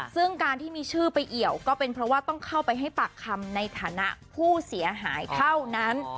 ซึ่งการที่มีชื่อไปเอี่ยวก็เป็นเพราะว่าต้องเข้าไปให้ปากคำในฐานะผู้เสียหายเท่านั้น